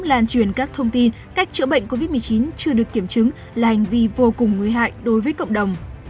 lan truyền các thông tin cách chữa bệnh covid một mươi chín chưa được kiểm chứng là hành vi vô cùng nguy hại đối với cộng đồng